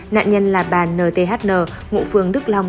nạn nhân là bà nthn ngụ phương đức long